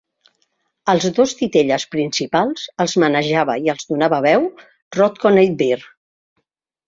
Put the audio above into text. Als dos titelles principals els manejava i els donava veu Rod Coneybeare.